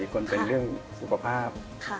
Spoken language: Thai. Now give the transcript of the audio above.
คนเป็นเรื่องสุขภาพ